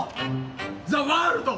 ザ・ワールド！